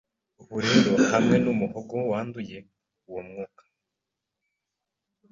Ubu rero hamwe n'umuhogo wanduye uwo mwuka